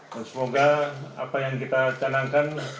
dan semoga apa yang kita canangkan